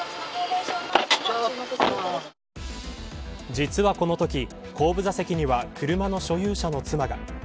実は、このとき後部座席には車の所有者の妻が。